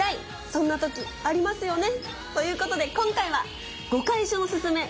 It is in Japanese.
そんな時ありますよね。ということで今回は「碁会所のススメ！」。